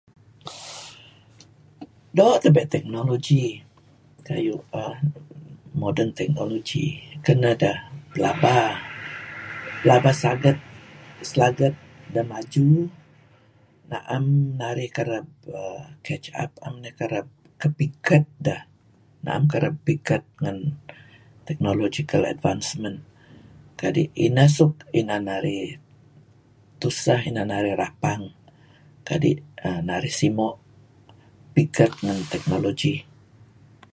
Doo' tebe' teknologi, kayu' err moden teknologi keneh deh plaba... plaba saget, saget deh maju... na'em narih kereb err catch up... na'em narih kepigket deh... na'em kereb pigket ngen technologal advancenent. Kadi' ineh suk inan narih tuseh, inan narih rapang, kadi' narih simo' pigket ngen teknologi.